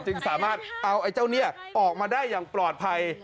จึงสามารถเอาไอ้เจ้าเนี่ยออกมาได้อย่างปลอดภัย